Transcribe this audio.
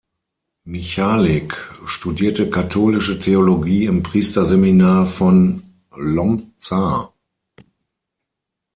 Michalik studierte Katholische Theologie im Priesterseminar von Łomża.